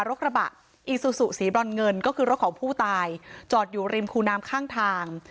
รถกระบะอีซูซูสีบรอนเงินก็คือรถของผู้ตายจอดอยู่ริมคูน้ำข้างทาง